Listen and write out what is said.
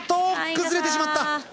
崩れてしまった！